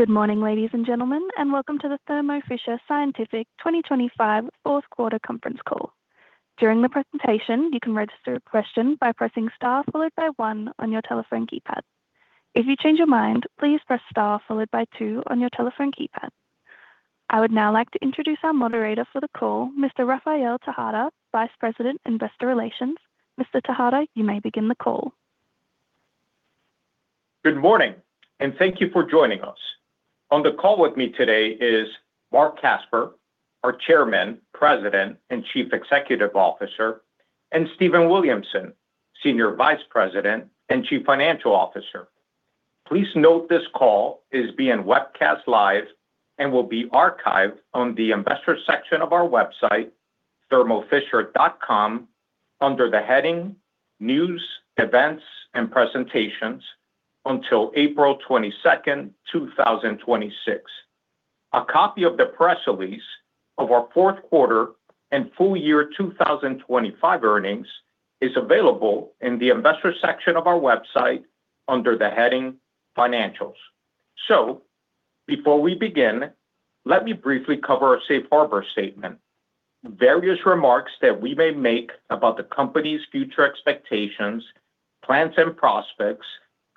Good morning, ladies and gentlemen, and welcome to the Thermo Fisher Scientific 2025 Fourth Quarter Conference Call. During the presentation, you can register a question by pressing star followed by one on your telephone keypad. If you change your mind, please press star followed by two on your telephone keypad. I would now like to introduce our moderator for the call, Mr. Rafael Tejada, Vice President, Investor Relations. Mr. Tejada, you may begin the call. Good morning, and thank you for joining us. On the call with me today is Marc Casper, our Chairman, President, and Chief Executive Officer, and Stephen Williamson, Senior Vice President and Chief Financial Officer. Please note this call is being webcast live and will be archived on the investor section of our website, thermofisher.com, under the heading News, Events and Presentations until April 22, 2026. A copy of the press release of our Fourth Quarter and Full Year 2025 Earnings is available in the investor section of our website under the heading Financials. So before we begin, let me briefly cover our safe harbor statement. Various remarks that we may make about the company's future expectations, plans, and prospects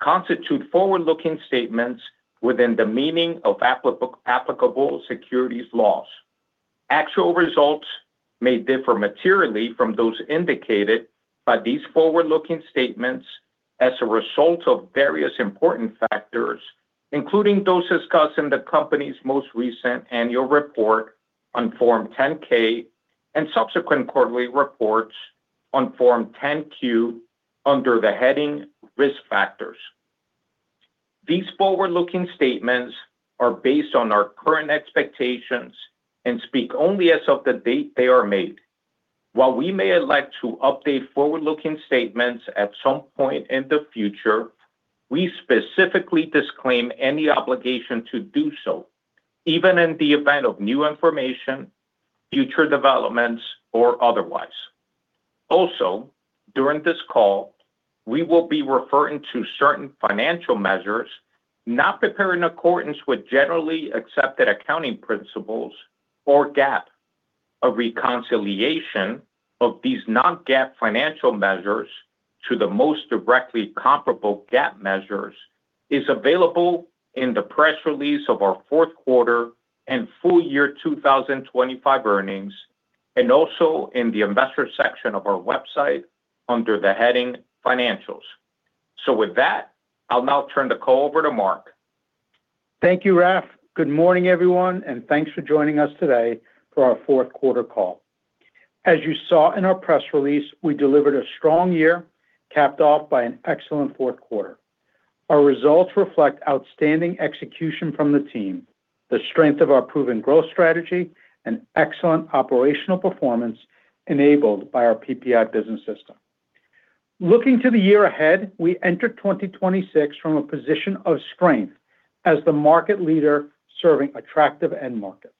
constitute forward-looking statements within the meaning of applicable securities laws. Actual results may differ materially from those indicated by these forward-looking statements as a result of various important factors, including those discussed in the company's most recent annual report on Form 10-K and subsequent quarterly reports on Form 10-Q under the heading Risk Factors. These forward-looking statements are based on our current expectations and speak only as of the date they are made. While we may elect to update forward-looking statements at some point in the future, we specifically disclaim any obligation to do so, even in the event of new information, future developments, or otherwise. Also, during this call, we will be referring to certain financial measures not prepared in accordance with generally accepted accounting principles or GAAP. A reconciliation of these non-GAAP financial measures to the most directly comparable GAAP measures is available in the press release of our Fourth Quarter and Full Year 2025 Earnings, and also in the investor section of our website under the heading Financials. With that, I'll now turn the call over to Marc. Thank you, Raf. Good morning, everyone, and thanks for joining us today for our fourth quarter call. As you saw in our press release, we delivered a strong year, capped off by an excellent fourth quarter. Our results reflect outstanding execution from the team, the strength of our proven growth strategy, and excellent operational performance enabled by our PPI Business System. Looking to the year ahead, we enter 2026 from a position of strength as the market leader serving attractive end markets.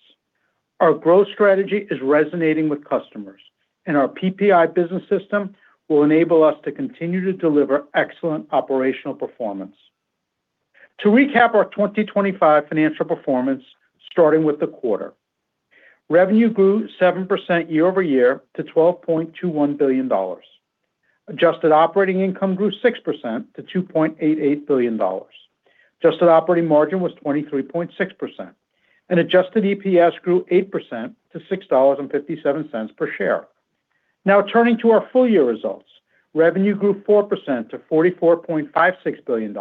Our growth strategy is resonating with customers, and our PPI Business System will enable us to continue to deliver excellent operational performance. To recap our 2025 financial performance, starting with the quarter. Revenue grew 7% year-over-year to $12.21 billion. Adjusted operating income grew 6% to $2.88 billion. Adjusted operating margin was 23.6%, and adjusted EPS grew 8% to $6.57 per share. Now, turning to our full year results. Revenue grew 4% to $44.56 billion.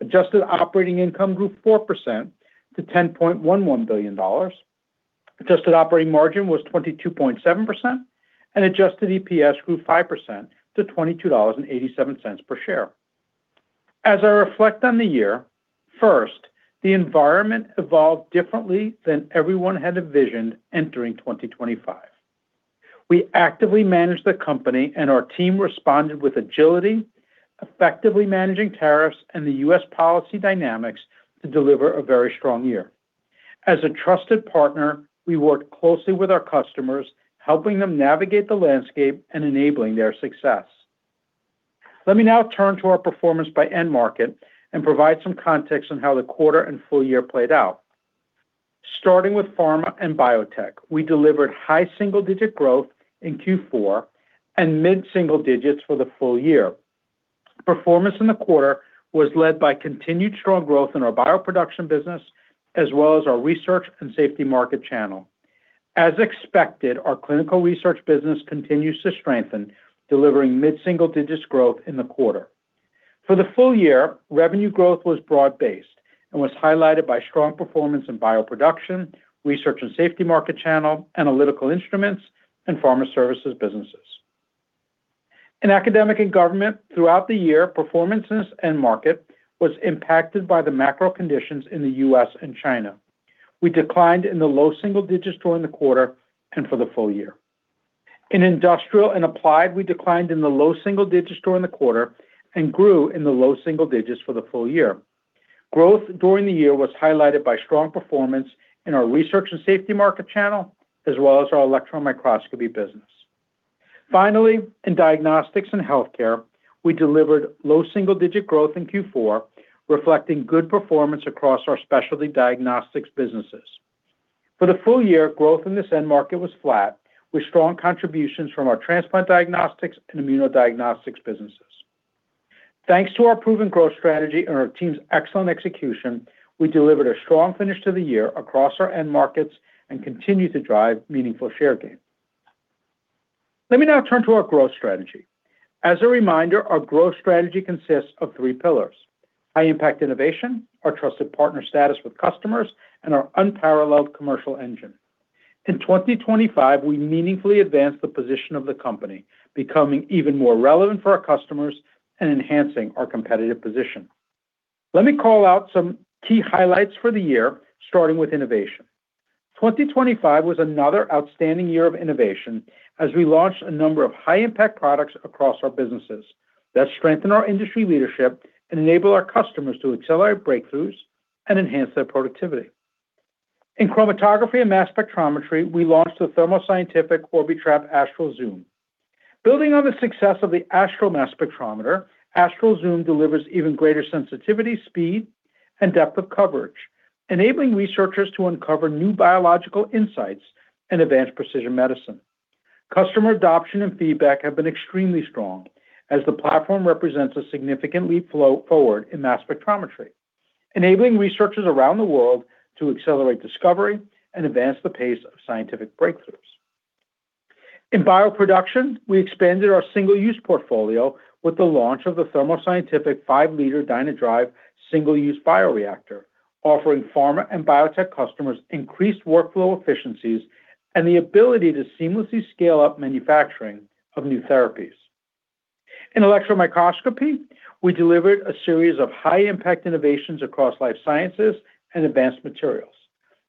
Adjusted operating income grew 4% to $10.11 billion. Adjusted operating margin was 22.7%, and adjusted EPS grew 5% to $22.87 per share. As I reflect on the year, first, the environment evolved differently than everyone had envisioned entering 2025. We actively managed the company, and our team responded with agility, effectively managing tariffs and the U.S. policy dynamics to deliver a very strong year. As a trusted partner, we worked closely with our customers, helping them navigate the landscape and enabling their success. Let me now turn to our performance by end market and provide some context on how the quarter and full year played out. Starting with pharma and biotech, we delivered high single-digit growth in Q4 and mid-single digits for the full year. Performance in the quarter was led by continued strong growth in our BioProduction business, as well as our Research and Safety Market channel. As expected, our Clinical Research business continues to strengthen, delivering mid-single-digit growth in the quarter. For the full year, revenue growth was broad-based and was highlighted by strong performance in BioProduction, Research and Safety Market channel, analytical instruments, and pharma services businesses. In academic and government, throughout the year, performance in end market was impacted by the macro conditions in the U.S. and China. We declined in the low single digits during the quarter and for the full year. In industrial and applied, we declined in the low single digits during the quarter and grew in the low single digits for the full year. Growth during the year was highlighted by strong performance in our Research and Safety Market channel, as well as our electron microscopy business. Finally, in diagnostics and healthcare, we delivered low single-digit growth in Q4, reflecting good performance across our specialty diagnostics businesses. For the full year, growth in this end market was flat, with strong contributions from our transplant diagnostics and immunodiagnostics businesses. Thanks to our proven growth strategy and our team's excellent execution, we delivered a strong finish to the year across our end markets and continued to drive meaningful share gain. Let me now turn to our growth strategy. As a reminder, our growth strategy consists of three pillars, high-impact innovation, our trusted partner status with customers, and our unparalleled commercial engine. In 2025, we meaningfully advanced the position of the company, becoming even more relevant for our customers and enhancing our competitive position. Let me call out some key highlights for the year, starting with innovation. 2025 was another outstanding year of innovation as we launched a number of high-impact products across our businesses that strengthen our industry leadership and enable our customers to accelerate breakthroughs and enhance their productivity. In chromatography and mass spectrometry, we launched the Thermo Scientific Orbitrap Astral Zoom. Building on the success of the Astral Mass Spectrometer, Astral Zoom delivers even greater sensitivity, speed, and depth of coverage, enabling researchers to uncover new biological insights and advance precision medicine. Customer adoption and feedback have been extremely strong, as the platform represents a significant leap forward in mass spectrometry, enabling researchers around the world to accelerate discovery and advance the pace of scientific breakthroughs. In BioProduction, we expanded our single-use portfolio with the launch of the Thermo Scientific 5 L DynaDrive Single-Use Bioreactor, offering pharma and biotech customers increased workflow efficiencies and the ability to seamlessly scale up manufacturing of new therapies. In electron microscopy, we delivered a series of high-impact innovations across life sciences and advanced materials.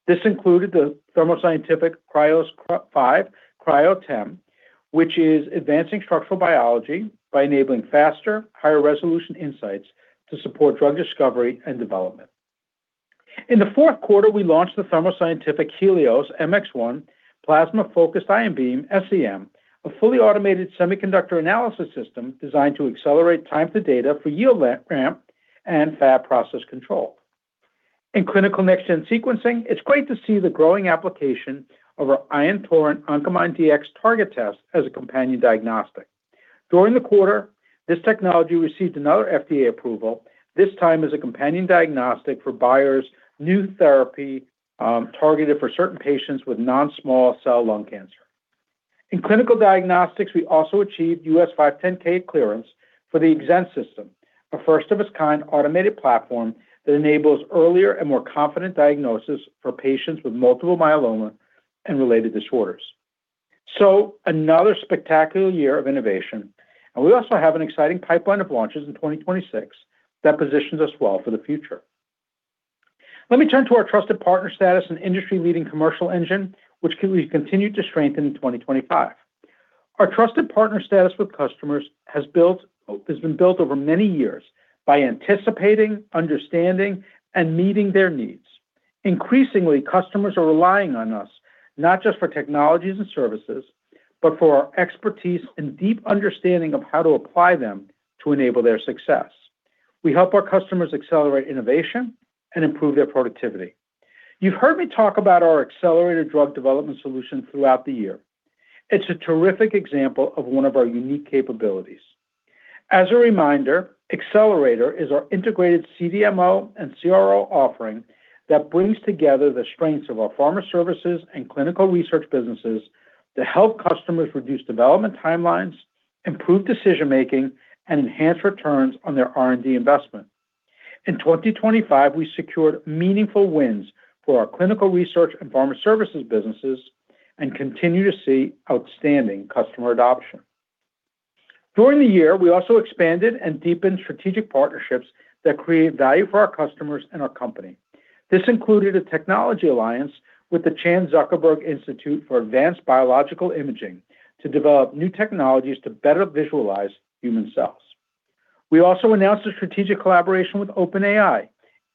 This included the Thermo Scientific Krios 5 Cryo-TEM, which is advancing structural biology by enabling faster, higher resolution insights to support drug discovery and development. In the fourth quarter, we launched the Thermo Scientific Helios MX1 Plasma Focused Ion Beam SEM, a fully automated semiconductor analysis system designed to accelerate time-to-data for yield ramp and fab process control. In clinical next-gen sequencing, it's great to see the growing application of our Ion Torrent Oncomine Dx Target Test as a companion diagnostic. During the quarter, this technology received another FDA approval, this time as a companion diagnostic for Bayer's new therapy, targeted for certain patients with non-small cell lung cancer. In clinical diagnostics, we also achieved U.S. 510(k) clearance for the EXENT System, a first-of-its-kind automated platform that enables earlier and more confident diagnosis for patients with multiple myeloma and related disorders. So another spectacular year of innovation, and we also have an exciting pipeline of launches in 2026 that positions us well for the future. Let me turn to our trusted partner status and industry-leading commercial engine, which we continued to strengthen in 2025. Our trusted partner status with customers has built, has been built over many years by anticipating, understanding, and meeting their needs. Increasingly, customers are relying on us, not just for technologies and services, but for our expertise and deep understanding of how to apply them to enable their success. We help our customers accelerate innovation and improve their productivity. You've heard me talk about our accelerated drug development solution throughout the year. It's a terrific example of one of our unique capabilities. As a reminder, Accelerator is our integrated CDMO and CRO offering that brings together the strengths of our pharma services and Clinical Research businesses to help customers reduce development timelines, improve decision-making, and enhance returns on their R&D investment. In 2025, we secured meaningful wins for our Clinical Research and pharma services businesses and continue to see outstanding customer adoption. During the year, we also expanded and deepened strategic partnerships that create value for our customers and our company. This included a technology alliance with the Chan Zuckerberg Institute for Advanced Biological Imaging to develop new technologies to better visualize human cells. We also announced a strategic collaboration with OpenAI,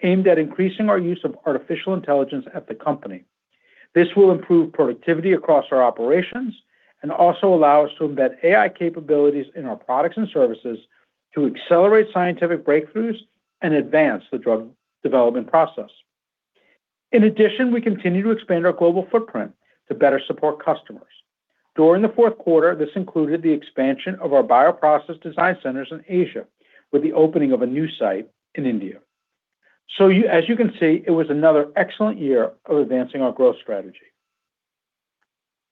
aimed at increasing our use of artificial intelligence at the company. This will improve productivity across our operations and also allow us to embed AI capabilities in our products and services to accelerate scientific breakthroughs and advance the drug development process. In addition, we continue to expand our global footprint to better support customers. During the fourth quarter, this included the expansion of our bioprocess design centers in Asia, with the opening of a new site in India. So you, as you can see, it was another excellent year of advancing our growth strategy.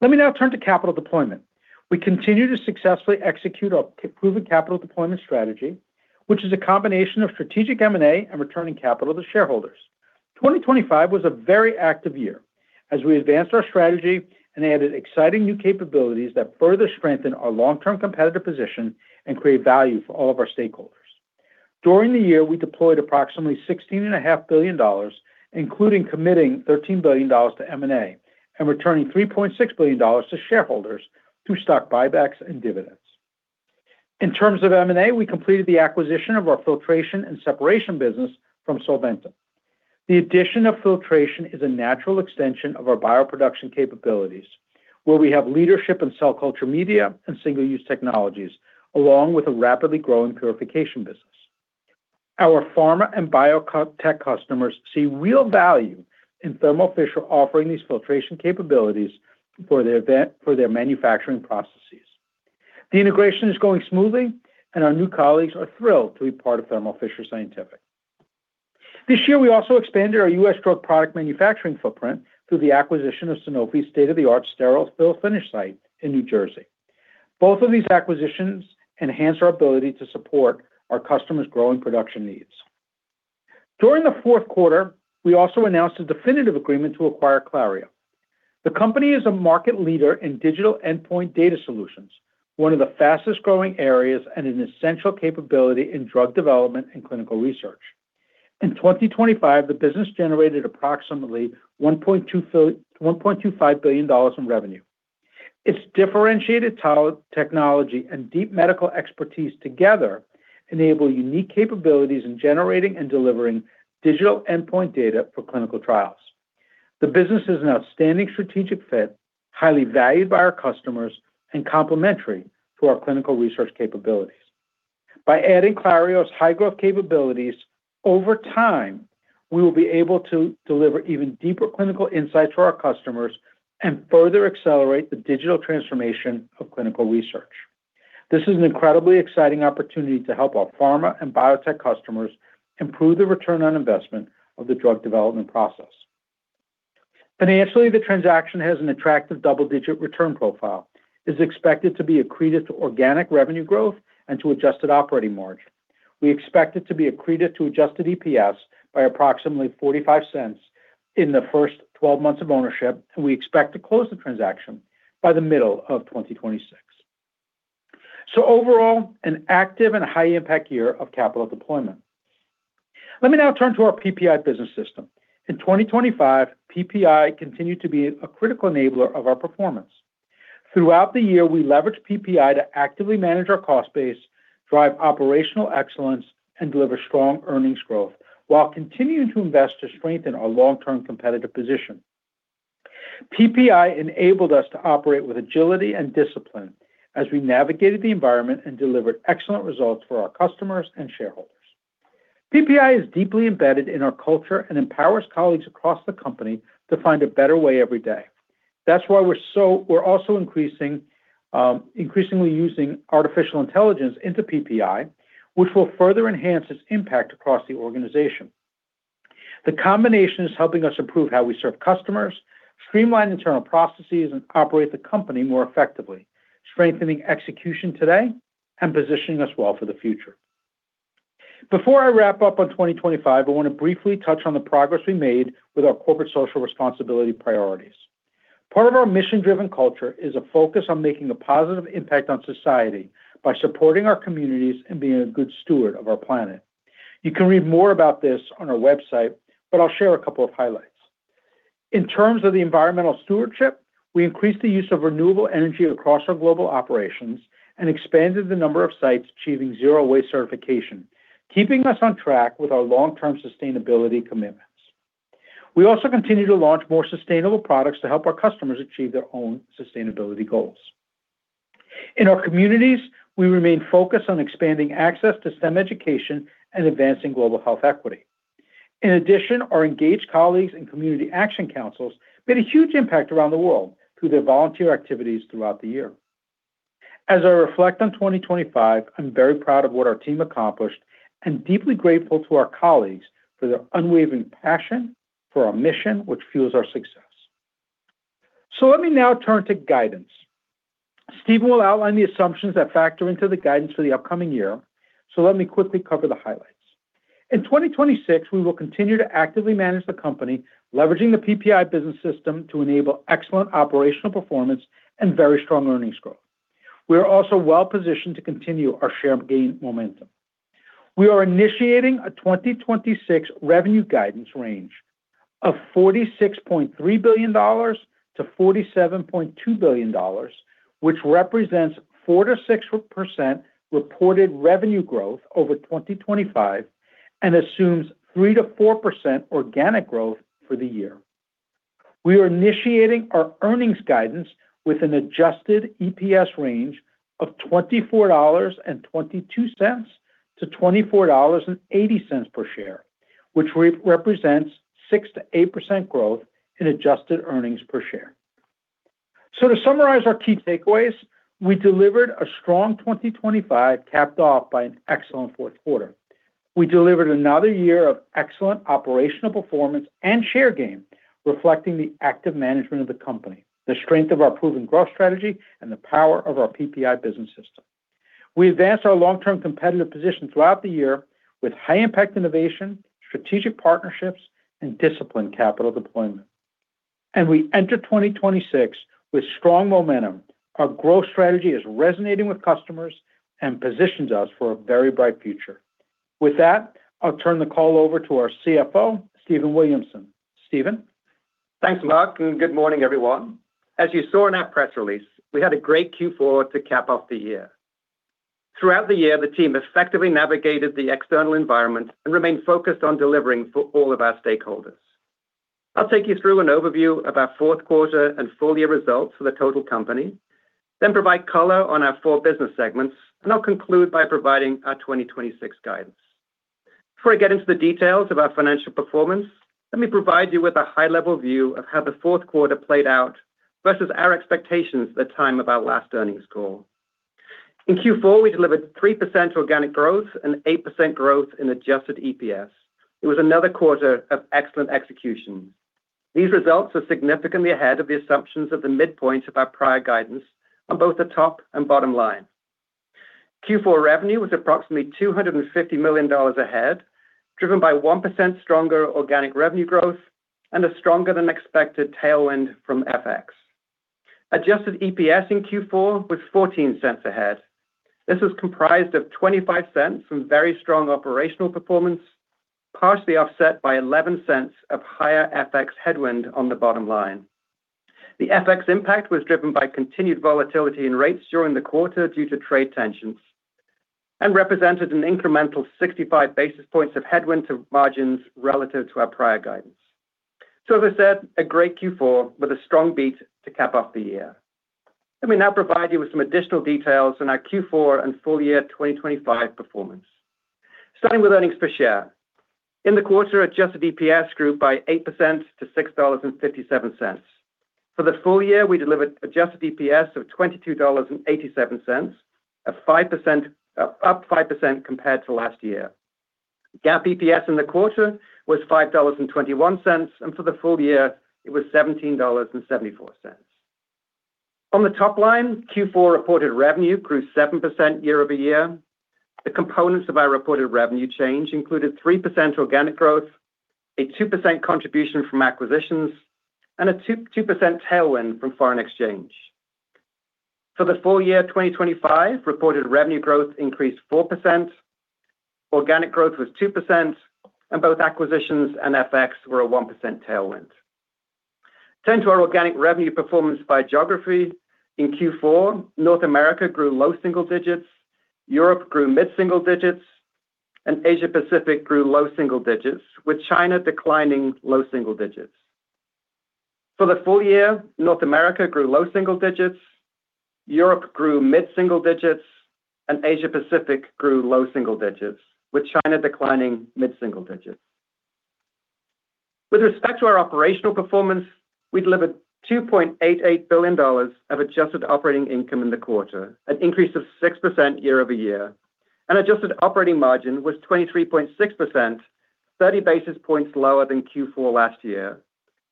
Let me now turn to capital deployment. We continue to successfully execute our proven capital deployment strategy, which is a combination of strategic M&A and returning capital to shareholders. 2025 was a very active year as we advanced our strategy and added exciting new capabilities that further strengthen our long-term competitive position and create value for all of our stakeholders. During the year, we deployed approximately $16.5 billion, including committing $13 billion to M&A, and returning $3.6 billion to shareholders through stock buybacks and dividends. In terms of M&A, we completed the acquisition of our filtration and separation business from Solventum. The addition of filtration is a natural extension of our BioProduction capabilities, where we have leadership in cell culture media and single-use technologies, along with a rapidly growing purification business. Our pharma and biotech customers see real value in Thermo Fisher offering these filtration capabilities for their manufacturing processes. The integration is going smoothly, and our new colleagues are thrilled to be part of Thermo Fisher Scientific. This year, we also expanded our U.S. drug product manufacturing footprint through the acquisition of Sanofi's state-of-the-art sterile fill finish site in New Jersey. Both of these acquisitions enhance our ability to support our customers growing production needs. During the fourth quarter, we also announced a definitive agreement to acquire Clario. The company is a market leader in digital endpoint data solutions, one of the fastest-growing areas and an essential capability in drug development and Clinical Research. In 2025, the business generated approximately $1.25 billion in revenue. Its differentiated technology and deep medical expertise together enable unique capabilities in generating and delivering digital endpoint data for clinical trials. The business is an outstanding strategic fit, highly valued by our customers, and complementary to our Clinical Research capabilities. By adding Clario's high-growth capabilities, over time, we will be able to deliver even deeper clinical insights for our customers and further accelerate the digital transformation of Clinical Research. This is an incredibly exciting opportunity to help our pharma and biotech customers improve the return on investment of the drug development process. Financially, the transaction has an attractive double-digit return profile, is expected to be accretive to organic revenue growth and to adjusted operating margin. We expect it to be accretive to adjusted EPS by approximately $0.45 in the first 12 months of ownership, and we expect to close the transaction by the middle of 2026. So overall, an active and high-impact year of capital deployment. Let me now turn to our PPI Business System. In 2025, PPI continued to be a critical enabler of our performance. Throughout the year, we leveraged PPI to actively manage our cost base, drive operational excellence, and deliver strong earnings growth, while continuing to invest to strengthen our long-term competitive position. PPI enabled us to operate with agility and discipline as we navigated the environment and delivered excellent results for our customers and shareholders. PPI is deeply embedded in our culture and empowers colleagues across the company to find a better way every day. That's why we're also increasingly using artificial intelligence into PPI, which will further enhance its impact across the organization. The combination is helping us improve how we serve customers, streamline internal processes, and operate the company more effectively, strengthening execution today and positioning us well for the future. Before I wrap up on 2025, I want to briefly touch on the progress we made with our corporate social responsibility priorities. Part of our mission-driven culture is a focus on making a positive impact on society by supporting our communities and being a good steward of our planet. You can read more about this on our website, but I'll share a couple of highlights. In terms of the environmental stewardship, we increased the use of renewable energy across our global operations and expanded the number of sites achieving zero waste certification, keeping us on track with our long-term sustainability commitments. We also continue to launch more sustainable products to help our customers achieve their own sustainability goals. In our communities, we remain focused on expanding access to STEM education and advancing global health equity. In addition, our engaged colleagues and community action councils made a huge impact around the world through their volunteer activities throughout the year. As I reflect on 2025, I'm very proud of what our team accomplished and deeply grateful to our colleagues for their unwavering passion for our mission, which fuels our success. So let me now turn to guidance. Stephen will outline the assumptions that factor into the guidance for the upcoming year, so let me quickly cover the highlights. In 2026, we will continue to actively manage the company, leveraging the PPI Business System to enable excellent operational performance and very strong earnings growth. We are also well positioned to continue our share gain momentum. We are initiating a 2026 revenue guidance range of $46.3 billion-$47.2 billion, which represents 4%-6% reported revenue growth over 2025 and assumes 3%-4% organic growth for the year. We are initiating our earnings guidance with an adjusted EPS range of $24.22-$24.80 per share, which represents 6%-8% growth in adjusted earnings per share. To summarize our key takeaways, we delivered a strong 2025, capped off by an excellent fourth quarter. We delivered another year of excellent operational performance and share gain, reflecting the active management of the company, the strength of our proven growth strategy, and the power of our PPI Business System. We advanced our long-term competitive position throughout the year with high-impact innovation, strategic partnerships, and disciplined capital deployment. We enter 2026 with strong momentum. Our growth strategy is resonating with customers and positions us for a very bright future. With that, I'll turn the call over to our CFO, Stephen Williamson. Stephen? Thanks, Marc, and good morning, everyone. As you saw in our press release, we had a great Q4 to cap off the year. Throughout the year, the team effectively navigated the external environment and remained focused on delivering for all of our stakeholders. I'll take you through an overview of our fourth quarter and full year results for the total company, then provide color on our four business segments, and I'll conclude by providing our 2026 guidance. Before I get into the details of our financial performance, let me provide you with a high-level view of how the fourth quarter played out versus our expectations at the time of our last earnings call. In Q4, we delivered 3% organic growth and 8% growth in adjusted EPS. It was another quarter of excellent execution. These results are significantly ahead of the assumptions at the midpoint of our prior guidance on both the top and bottom line. Q4 revenue was approximately $250 million ahead, driven by 1% stronger organic revenue growth and a stronger than expected tailwind from FX. Adjusted EPS in Q4 was $0.14 ahead. This is comprised of $0.25 from very strong operational performance, partially offset by $0.11 of higher FX headwind on the bottom line. The FX impact was driven by continued volatility in rates during the quarter due to trade tensions and represented an incremental 65 basis points of headwind to margins relative to our prior guidance. So as I said, a great Q4 with a strong beat to cap off the year. Let me now provide you with some additional details on our Q4 and full-year 2025 performance. Starting with earnings per share. In the quarter, adjusted EPS grew by 8% to $6.57. For the full year, we delivered adjusted EPS of $22.87, a 5%, up 5% compared to last year. GAAP EPS in the quarter was $5.21, and for the full year it was $17.74. On the top line, Q4 reported revenue grew 7% year-over-year. The components of our reported revenue change included 3% organic growth, a 2% contribution from acquisitions, and a 2% tailwind from foreign exchange. For the full year, 2025, reported revenue growth increased 4%, organic growth was 2%, and both acquisitions and FX were a 1% tailwind. Turning to our organic revenue performance by geography, in Q4, North America grew low single digits, Europe grew mid single digits, and Asia Pacific grew low single digits, with China declining low single digits. For the full year, North America grew low single digits, Europe grew mid single digits, and Asia Pacific grew low single digits, with China declining mid single digits. With respect to our operational performance, we delivered $2.88 billion of adjusted operating income in the quarter, an increase of 6% year-over-year, and adjusted operating margin was 23.6%, 30 basis points lower than Q4 last year,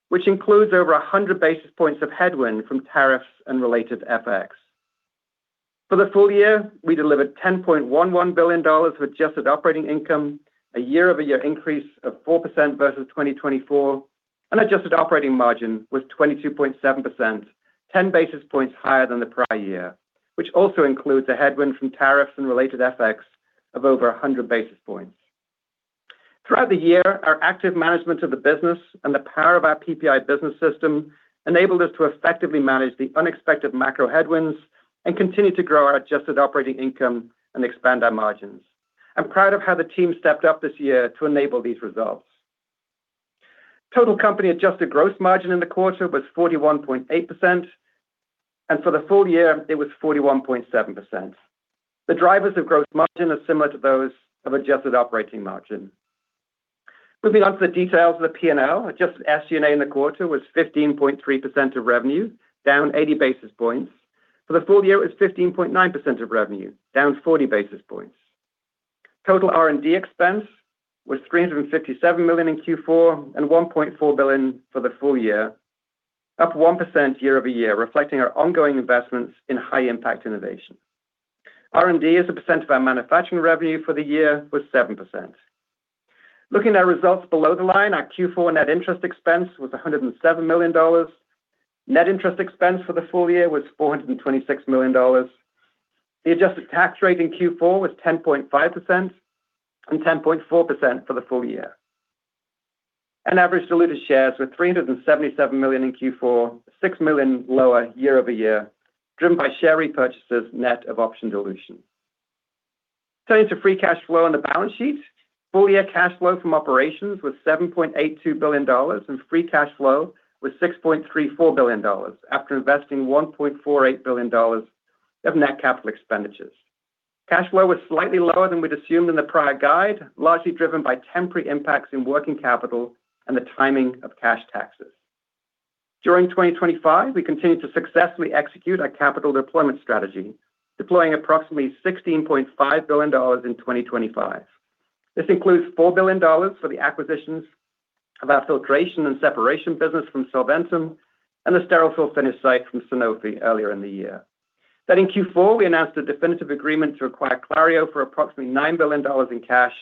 which includes over 100 basis points of headwind from tariffs and related FX. For the full year, we delivered $10.11 billion of adjusted operating income, a year-over-year increase of 4% versus 2024, and adjusted operating margin was 22.7%, 10 basis points higher than the prior year, which also includes a headwind from tariffs and related FX of over 100 basis points. Throughout the year, our active management of the business and the power of our PPI Business System enabled us to effectively manage the unexpected macro headwinds and continue to grow our adjusted operating income and expand our margins. I'm proud of how the team stepped up this year to enable these results. Total company adjusted gross margin in the quarter was 41.8%, and for the full year it was 41.7%. The drivers of gross margin are similar to those of adjusted operating margin. Moving on to the details of the P&L, adjusted SG&A in the quarter was 15.3% of revenue, down 80 basis points. For the full year, it was 15.9% of revenue, down 40 basis points. Total R&D expense was $357 million in Q4 and $1.4 billion for the full year, up 1% year-over-year, reflecting our ongoing investments in high-impact innovation. R&D as a percent of our manufacturing revenue for the year was 7%. Looking at our results below the line, our Q4 net interest expense was $107 million. Net interest expense for the full year was $426 million. The adjusted tax rate in Q4 was 10.5% and 10.4% for the full year. Average diluted shares were $77 million in Q4, $6 million lower year-over-year, driven by share repurchases net of option dilution. Turning to free cash flow on the balance sheet, full year cash flow from operations was $7.82 billion, and free cash flow was $6.34 billion, after investing $1.48 billion of net capital expenditures. Cash flow was slightly lower than we'd assumed in the prior guide, largely driven by temporary impacts in working capital and the timing of cash taxes. During 2025, we continued to successfully execute our capital deployment strategy, deploying approximately $16.5 billion in 2025. This includes $4 billion for the acquisitions of our filtration and separation business from Solventum and the sterile fill finish site from Sanofi earlier in the year. Then in Q4, we announced a definitive agreement to acquire Clario for approximately $9 billion in cash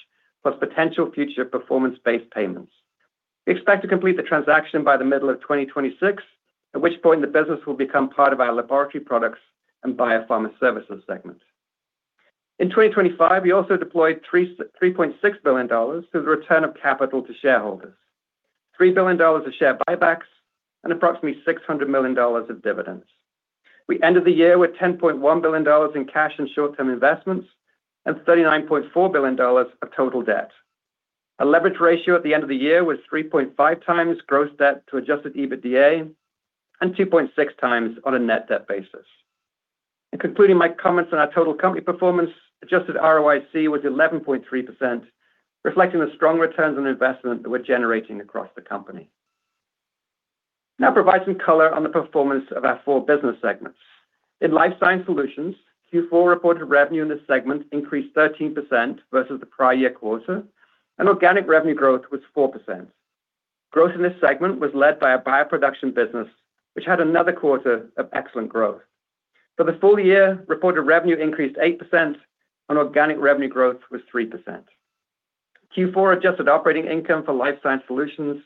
plus potential future performance-based payments. We expect to complete the transaction by the middle of 2026, at which point the business will become part of our Laboratory Products and Biopharma Services segment. In 2025, we also deployed $3.6 billion through the return of capital to shareholders. $3 billion of share buybacks and approximately $600 million of dividends. We ended the year with $10.1 billion in cash and short-term investments, and $39.4 billion of total debt. Our leverage ratio at the end of the year was 3.5× gross debt to adjusted EBITDA, and 2.6× on a net debt basis. In concluding my comments on our total company performance, adjusted ROIC was 11.3%, reflecting the strong returns on investment that we're generating across the company. Now provide some color on the performance of our four business segments. In Life Sciences Solutions, Q4 reported revenue in this segment increased 13% versus the prior year quarter, and organic revenue growth was 4%. Growth in this segment was led by a BioProduction business, which had another quarter of excellent growth. For the full year, reported revenue increased 8% and organic revenue growth was 3%. Q4 adjusted operating income for Life Sciences Solutions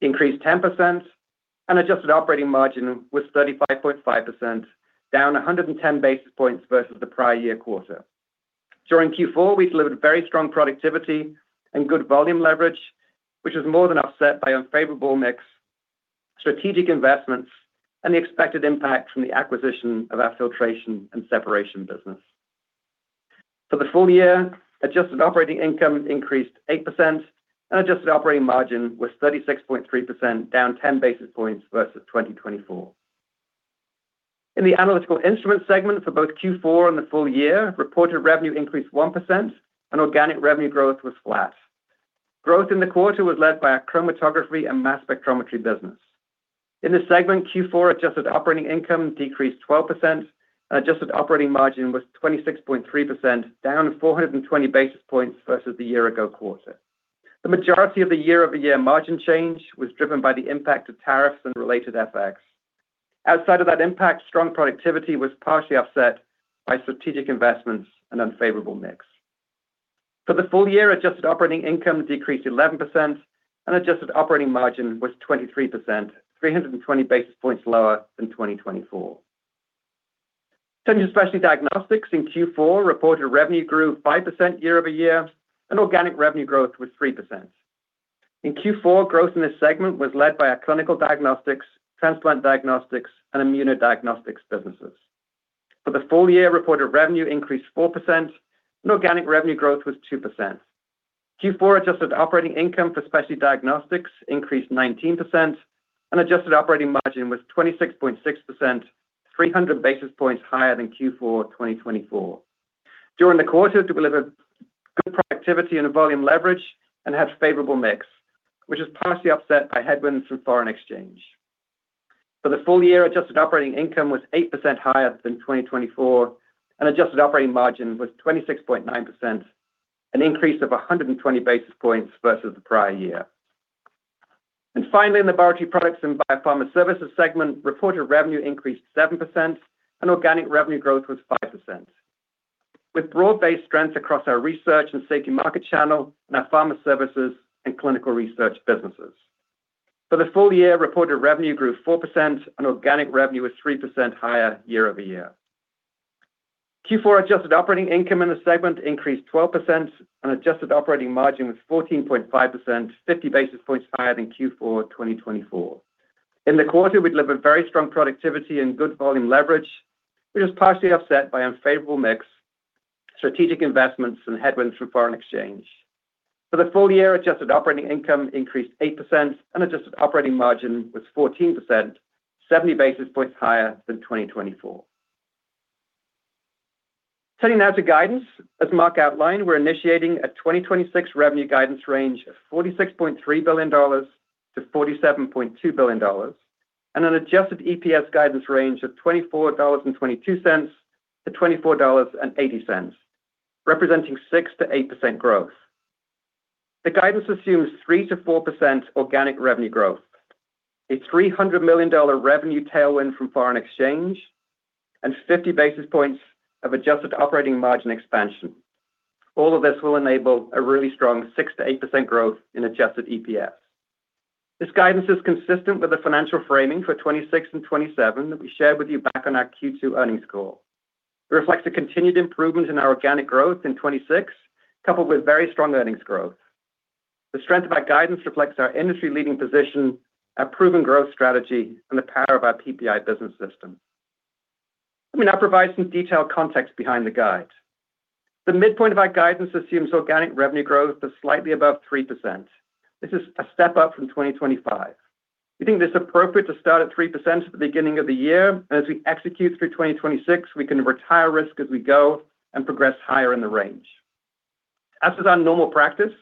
increased 10% and adjusted operating margin was 35.5%, down 110 basis points versus the prior year quarter. During Q4, we delivered very strong productivity and good volume leverage, which was more than offset by unfavorable mix, strategic investments, and the expected impact from the acquisition of our filtration and separation business. For the full year, adjusted operating income increased 8% and adjusted operating margin was 36.3%, down 10 basis points versus 2024. In the analytical instrument segment for both Q4 and the full year, reported revenue increased 1% and organic revenue growth was flat. Growth in the quarter was led by our chromatography and mass spectrometry business. In this segment, Q4 adjusted operating income decreased 12%, and adjusted operating margin was 26.3%, down 420 basis points versus the year ago quarter. The majority of the year-over-year margin change was driven by the impact of tariffs and related FX. Outside of that impact, strong productivity was partially offset by strategic investments and unfavorable mix. For the full year, adjusted operating income decreased 11% and adjusted operating margin was 23%, 320 basis points lower than 2024. Turning to specialty diagnostics in Q4, reported revenue grew 5% year-over-year, and organic revenue growth was 3%. In Q4, growth in this segment was led by our clinical diagnostics, transplant diagnostics, and immunodiagnostics businesses. For the full year, reported revenue increased 4%, and organic revenue growth was 2%. Q4 adjusted operating income for specialty diagnostics increased 19%, and adjusted operating margin was 26.6%, 300 basis points higher than Q4 2024. During the quarter, we delivered good productivity and a volume leverage and had favorable mix, which is partially offset by headwinds from foreign exchange. For the full year, adjusted operating income was 8% higher than 2024, and adjusted operating margin was 26.9%, an increase of 120 basis points versus the prior year. And finally, in the Laboratory Products and Biopharma Services segment, reported revenue increased 7% and organic revenue growth was 5%, with broad-based strengths across our research and safety market channel and our pharma services and Clinical Research businesses. For the full year, reported revenue grew 4% and organic revenue was 3% higher year over year. Q4 adjusted operating income in the segment increased 12%, and adjusted operating margin was 14.5%, 50 basis points higher than Q4 2024. In the quarter, we delivered very strong productivity and good volume leverage, which was partially offset by unfavorable mix, strategic investments, and headwinds from foreign exchange. For the full year, adjusted operating income increased 8% and adjusted operating margin was 14%, 70 basis points higher than 2024. Turning now to guidance. As Marc outlined, we're initiating a 2026 revenue guidance range of $46.3 billion-$47.2 billion, and an adjusted EPS guidance range of $24.22-$24.80, representing 6%-8% growth. The guidance assumes 3%-4% organic revenue growth, a $300 million revenue tailwind from foreign exchange, and 50 basis points of adjusted operating margin expansion. All of this will enable a really strong 6%-8% growth in adjusted EPS. This guidance is consistent with the financial framing for 2026 and 2027 that we shared with you back on our Q2 earnings call. It reflects a continued improvement in our organic growth in 2026, coupled with very strong earnings growth. The strength of our guidance reflects our industry-leading position, our proven growth strategy, and the power of our PPI Business System. Let me now provide some detailed context behind the guide. The midpoint of our guidance assumes organic revenue growth of slightly above 3%. This is a step up from 2025. We think it is appropriate to start at 3% at the beginning of the year, and as we execute through 2026, we can retire risk as we go and progress higher in the range. As is our normal practice,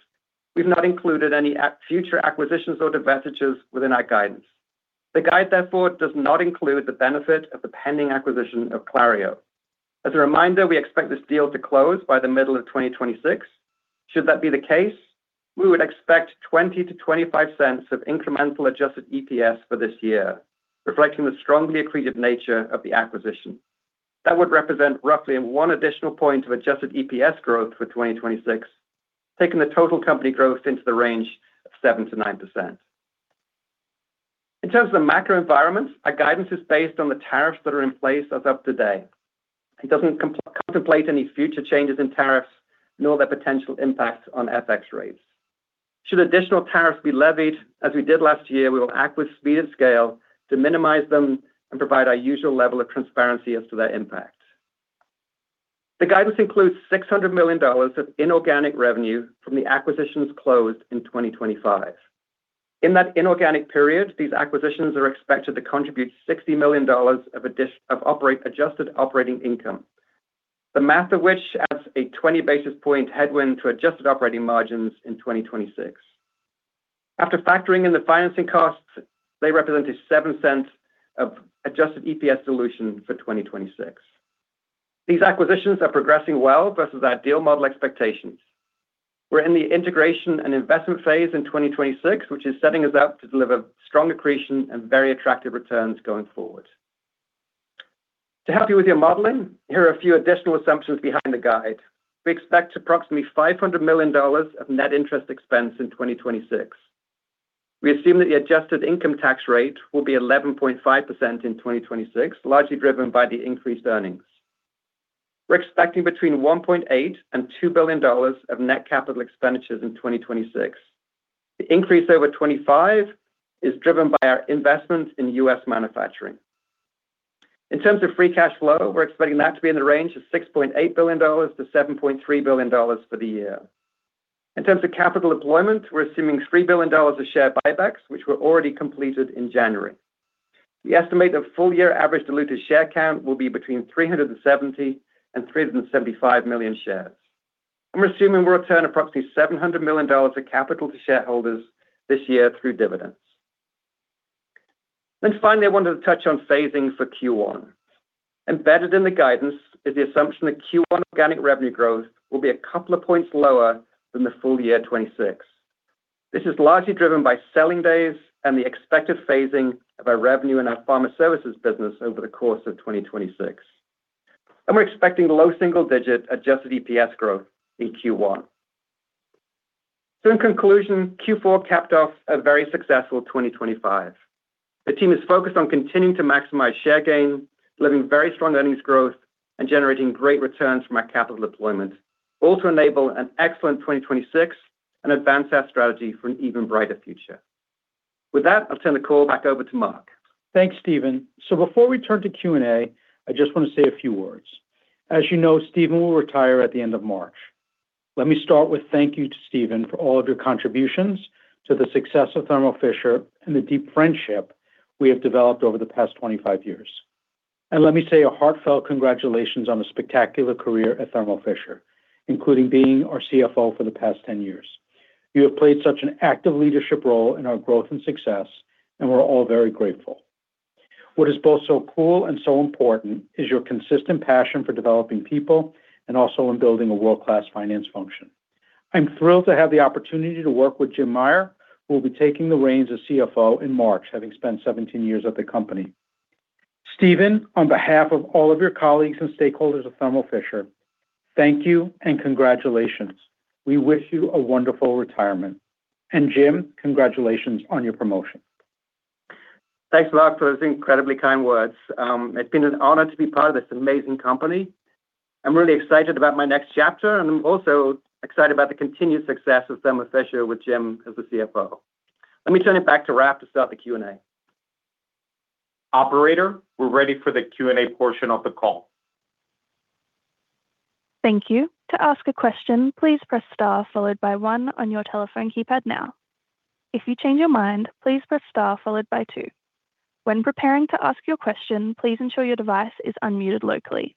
we've not included any future acquisitions or divestitures within our guidance. The guide, therefore, does not include the benefit of the pending acquisition of Clario. As a reminder, we expect this deal to close by the middle of 2026. Should that be the case, we would expect $0.20-$0.25 of incremental adjusted EPS for this year, reflecting the strongly accretive nature of the acquisition. That would represent roughly 1 additional point of adjusted EPS growth for 2026, taking the total company growth into the range of 7%-9%. In terms of the macro environment, our guidance is based on the tariffs that are in place as of today. It doesn't contemplate any future changes in tariffs, nor their potential impact on FX rates. Should additional tariffs be levied, as we did last year, we will act with speed and scale to minimize them and provide our usual level of transparency as to their impact. The guidance includes $600 million of inorganic revenue from the acquisitions closed in 2025. In that inorganic period, these acquisitions are expected to contribute $60 million of additional adjusted operating income, the math of which adds a 20 basis point headwind to adjusted operating margins in 2026. After factoring in the financing costs, they represent 7 cents of adjusted EPS dilution for 2026. These acquisitions are progressing well versus our deal model expectations. We're in the integration and investment phase in 2026, which is setting us up to deliver strong accretion and very attractive returns going forward. To help you with your modeling, here are a few additional assumptions behind the guide. We expect approximately $500 million of net interest expense in 2026. We assume that the adjusted income tax rate will be 11.5% in 2026, largely driven by the increased earnings. We're expecting between $1.8 billion and $2 billion of net capital expenditures in 2026. The increase over 2025 is driven by our investment in U.S. manufacturing. In terms of free cash flow, we're expecting that to be in the range of $6.8 billion to $7.3 billion for the year. In terms of capital deployment, we're assuming $3 billion of share buybacks, which were already completed in January. We estimate the full year average diluted share count will be between 370 and 375 million shares. And we're assuming we'll return approximately $700 million of capital to shareholders this year through dividends. Then finally, I wanted to touch on phasing for Q1. Embedded in the guidance is the assumption that Q1 organic revenue growth will be a couple of points lower than the full year 2026. This is largely driven by selling days and the expected phasing of our revenue in our Pharma Services business over the course of 2026. And we're expecting low single-digit adjusted EPS growth in Q1. So in conclusion, Q4 capped off a very successful 2025. The team is focused on continuing to maximize share gain, delivering very strong earnings growth, and generating great returns from our capital deployment, all to enable an excellent 2026 and advance our strategy for an even brighter future. With that, I'll turn the call back over to Marc. Thanks, Stephen. So before we turn to Q&A, I just want to say a few words. As you know, Stephen will retire at the end of March. Let me start with thank you to Stephen for all of your contributions to the success of Thermo Fisher and the deep friendship we have developed over the past 25 years. And let me say a heartfelt congratulations on a spectacular career at Thermo Fisher, including being our CFO for the past 10 years. You have played such an active leadership role in our growth and success, and we're all very grateful. What is both so cool and so important is your consistent passion for developing people and also in building a world-class finance function. I'm thrilled to have the opportunity to work with Jim Meyer, who will be taking the reins as CFO in March, having spent 17 years at the company. Stephen, on behalf of all of your colleagues and stakeholders of Thermo Fisher, thank you and congratulations. We wish you a wonderful retirement. Jim, congratulations on your promotion. Thanks, Marc, for those incredibly kind words. It's been an honor to be part of this amazing company. I'm really excited about my next chapter, and I'm also excited about the continued success of Thermo Fisher with Jim as the CFO. Let me turn it back to Raf to start the Q&A. Operator, we're ready for the Q&A portion of the call. Thank you. To ask a question, please press star followed by one on your telephone keypad now. If you change your mind, please press star followed by two. When preparing to ask your question, please ensure your device is unmuted locally.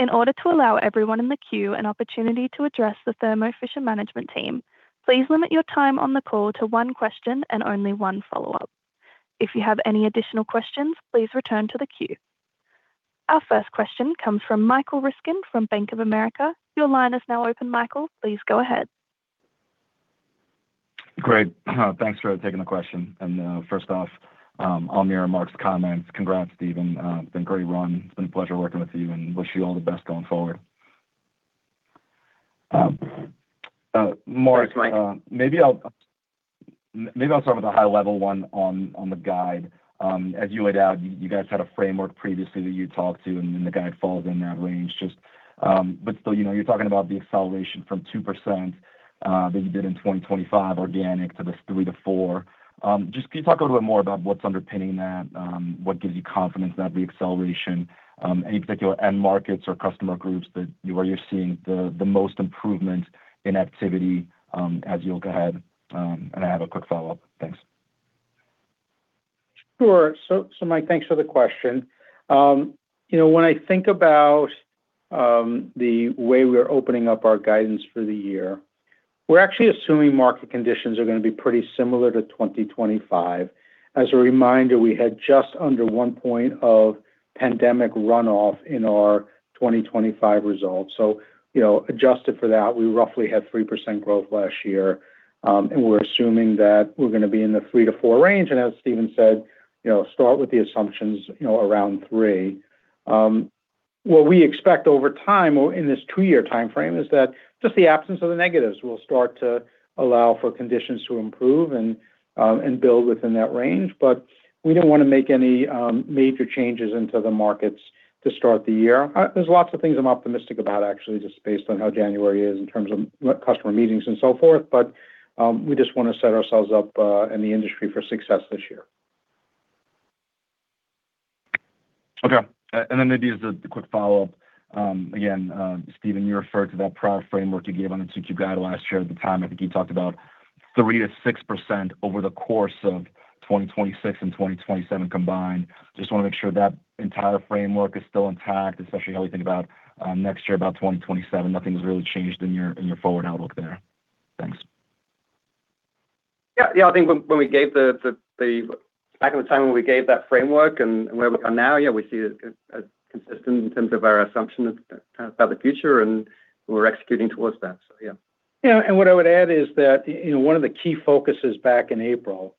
In order to allow everyone in the queue an opportunity to address the Thermo Fisher management team, please limit your time on the call to one question and only one follow-up. If you have any additional questions, please return to the queue. Our first question comes from Michael Ryskin from Bank of America. Your line is now open, Michael. Please go ahead. Great. Thanks for taking the question. And, first off, I'll mirror Marc's comments. Congrats, Stephen. It's been a great run. It's been a pleasure working with you, and wish you all the best going forward. Thanks, Mike. Maybe I'll, maybe I'll start with a high-level one on the guide. As you laid out, you guys had a framework previously that you talked to, and then the guide falls in that range. But still, you know, you're talking about the acceleration from 2%, that you did in 2025 organic to this 3%-4%. Just can you talk a little bit more about what's underpinning that? What gives you confidence about the acceleration? Any particular end markets or customer groups that where you're seeing the, the most improvement in activity, as you look ahead? And I have a quick follow-up. Thanks. Sure. So, Mike, thanks for the question. You know, when I think about the way we are opening up our guidance for the year, we're actually assuming market conditions are gonna be pretty similar to 2025. As a reminder, we had just under 1 point of pandemic runoff in our 2025 results. So you know, adjusted for that, we roughly had 3% growth last year, and we're assuming that we're gonna be in the 3%-4% range. And as Stephen said, you know, start with the assumptions, you know, around 3%. What we expect over time or in this two year timeframe, is that just the absence of the negatives will start to allow for conditions to improve and build within that range. But we don't want to make any, major changes into the markets to start the year. There's lots of things I'm optimistic about, actually, just based on how January is in terms of customer meetings and so forth, but, we just want to set ourselves up, and the industry for success this year. Okay. Then maybe just a quick follow-up. Again, Stephen, you referred to that prior framework you gave on the Q2 guide last year. At the time, I think you talked about 3%-6% over the course of 2026 and 2027 combined. Just want to make sure that entire framework is still intact, especially how we think about next year, about 2027. Nothing's really changed in your, in your forward outlook there. Thanks. Yeah. Yeah, I think when we gave back at the time when we gave that framework and where we are now, yeah, we see it as consistent in terms of our assumption about the future, and we're executing towards that. So, yeah. Yeah, and what I would add is that, you know, one of the key focuses back in April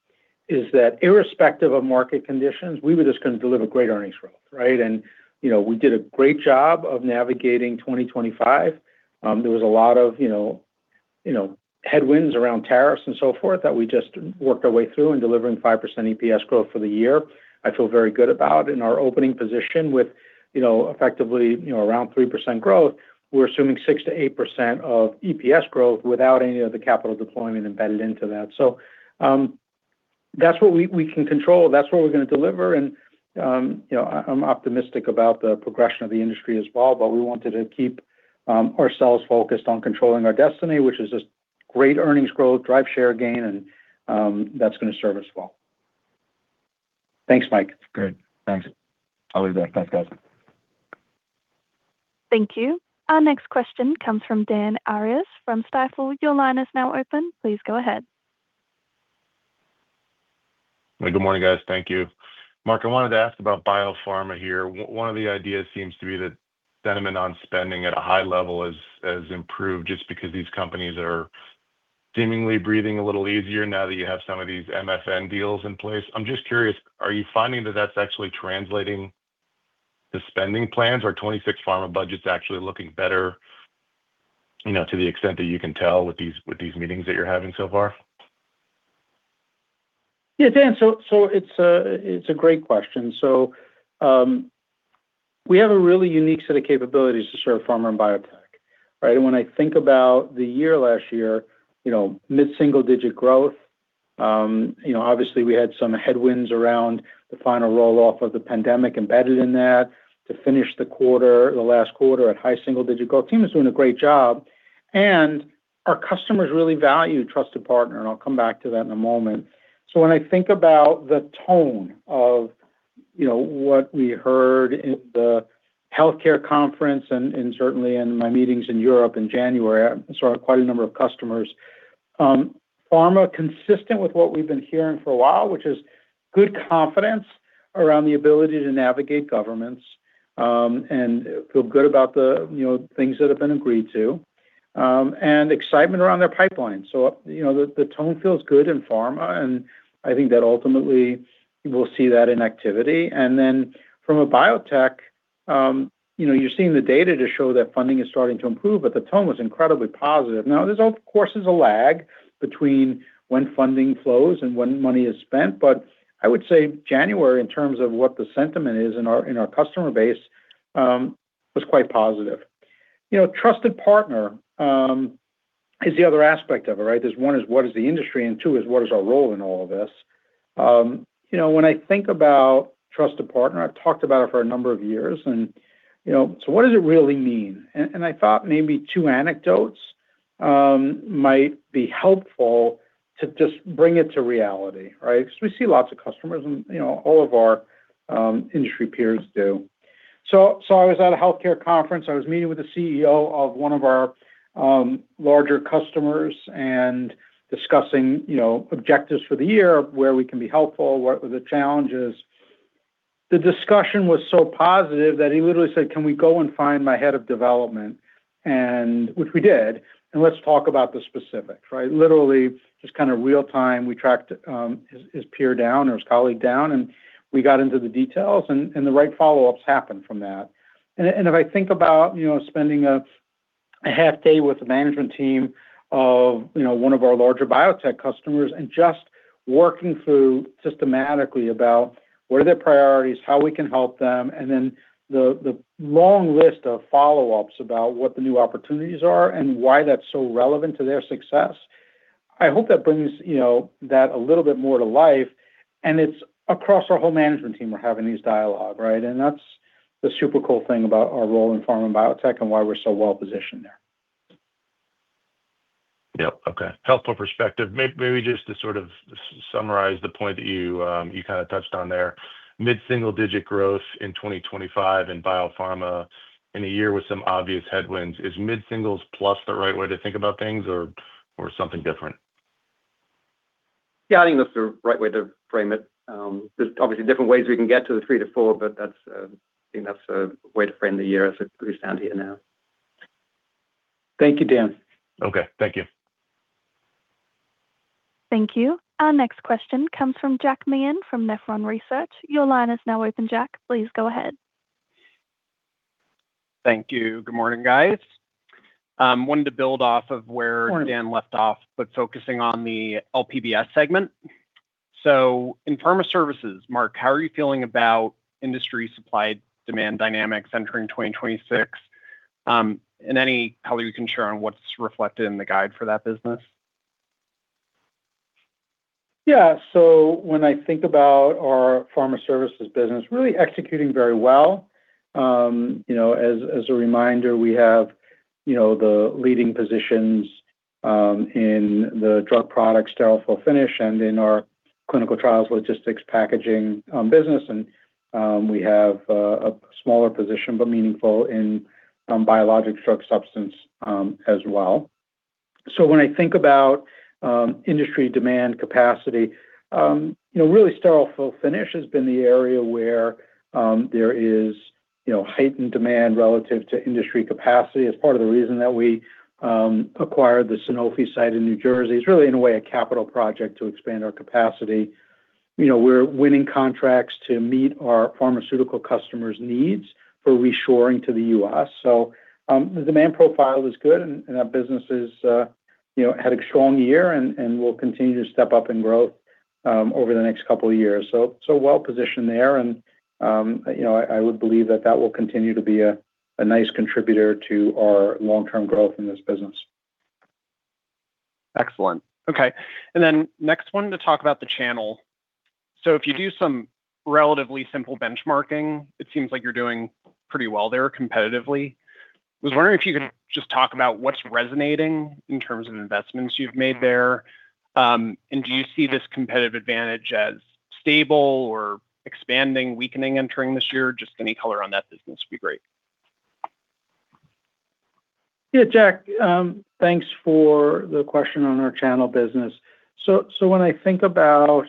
is that irrespective of market conditions, we were just going to deliver great earnings growth, right? And, you know, we did a great job of navigating 2025. There was a lot of, you know, headwinds around tariffs and so forth, that we just worked our way through in delivering 5% EPS growth for the year. I feel very good about in our opening position with, you know, effectively, around 3% growth. We're assuming 6%-8% of EPS growth without any of the capital deployment embedded into that. So, that's what we can control, that's what we're gonna deliver, and, you know, I'm optimistic about the progression of the industry as well. We wanted to keep ourselves focused on controlling our destiny, which is just great earnings growth, drive share gain, and that's gonna serve us well. Thanks, Mike. Great. Thanks. I'll leave that. Thanks, guys. Thank you. Our next question comes from Dan Arias from Stifel. Your line is now open, please go ahead. Hey, good morning, guys. Thank you. Marc, I wanted to ask about biopharma here. One of the ideas seems to be that sentiment on spending at a high level has improved, just because these companies are seemingly breathing a little easier now that you have some of these MFN deals in place. I'm just curious, are you finding that that's actually translating to the spending plans? Are 2026 pharma budgets actually looking better, you know, to the extent that you can tell with these meetings that you're having so far? Yeah, Dan, so, so it's a, it's a great question. So, we have a really unique set of capabilities to serve pharma and biotech, right? And when I think about the year last year, you know, mid-single-digit growth, you know, obviously, we had some headwinds around the final roll-off of the pandemic embedded in that. To finish the quarter, the last quarter at high single-digit growth, team is doing a great job, and our customers really value trusted partner, and I'll come back to that in a moment. So when I think about the tone of, you know, what we heard in the healthcare conference and, and certainly in my meetings in Europe in January, I saw quite a number of customers. Pharma, consistent with what we've been hearing for a while, which is good confidence around the ability to navigate governments, and feel good about the, you know, things that have been agreed to, and excitement around their pipeline. So, you know, the tone feels good in pharma, and I think that ultimately we'll see that in activity. And then from a biotech, you know, you're seeing the data to show that funding is starting to improve, but the tone was incredibly positive. Now, there's, of course, is a lag between when funding flows and when money is spent, but I would say January, in terms of what the sentiment is in our, in our customer base, was quite positive. You know, trusted partner is the other aspect of it, right? There's one is, what is the industry? And two is, what is our role in all of this? You know, when I think about trusted partner, I've talked about it for a number of years and, you know, so what does it really mean? And I thought maybe two anecdotes might be helpful to just bring it to reality, right? Because we see lots of customers and, you know, all of our industry peers do. So I was at a healthcare conference. I was meeting with the CEO of one of our larger customers and discussing, you know, objectives for the year, where we can be helpful, what were the challenges. The discussion was so positive that he literally said, "can we go and find my head of development? And which we did, and let's talk about the specifics, right? Literally, just kind of real time, we tracked his peer down or his colleague down, and we got into the details, and the right follow-ups happened from that. And if I think about, you know, spending a half day with the management team of, you know, one of our larger biotech customers and just working through systematically about what are their priorities, how we can help them, and then the long list of follow-ups about what the new opportunities are and why that's so relevant to their success. I hope that brings, you know, that a little bit more to life, and it's across our whole management team we're having these dialogue, right? And that's the super cool thing about our role in pharma and biotech, and why we're so well positioned there. Yep. Okay. Helpful perspective. Maybe just to sort of summarize the point that you, you kind of touched on there. Mid-single digit growth in 2025 in biopharma in a year with some obvious headwinds. Is mid-singles plus the right way to think about things or, or something different? Yeah, I think that's the right way to frame it. There's obviously different ways we can get to the 3%-4%, but that's, I think that's a way to frame the year as we stand here now. Thank you, Dan. Okay. Thank you. Thank you. Our next question comes from Jack Meehan from Nephron Research. Your line is now open, Jack. Please go ahead. Thank you. Good morning, guys. Wanted to build off of where Dan left off, but focusing on the LPBS segment. So in pharma services, Marc, how are you feeling about industry supply, demand dynamics entering 2026? And any color you can share on what's reflected in the guide for that business? Yeah. So when I think about our Pharma Services business, really executing very well. You know, as, as a reminder, we have, you know, the leading positions, in the drug product, sterile fill finish, and in our clinical trials, logistics, packaging, business. And, we have, a smaller position, but meaningful in, biologic drug substance, as well. So when I think about, industry demand capacity, you know, really sterile fill finish has been the area where, there is, you know, heightened demand relative to industry capacity. It's part of the reason that we, acquired the Sanofi site in New Jersey. It's really, in a way, a capital project to expand our capacity. You know, we're winning contracts to meet our pharmaceutical customers' needs for reshoring to the U.S. So, the demand profile is good, and our business is, you know, had a strong year and will continue to step up in growth, over the next couple of years. So well-positioned there, and, you know, I would believe that will continue to be a nice contributor to our long-term growth in this business. Excellent. Okay, and then next, wanted to talk about the channel. So if you do some relatively simple benchmarking, it seems like you're doing pretty well there competitively. I was wondering if you could just talk about what's resonating in terms of investments you've made there. And do you see this competitive advantage as stable or expanding, weakening entering this year? Just any color on that business would be great. Yeah, Jack, thanks for the question on our channel business. So when I think about